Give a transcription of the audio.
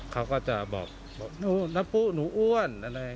เขาก็จะบอกน้องปุ๊กหนูอ้วนอ้วนจริงเปล่า